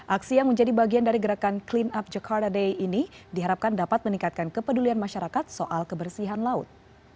aksi yang menjadi bagian dari gerakan clean up jakarta day ini diharapkan dapat meningkatkan kepedulian masyarakat soal kebersihan laut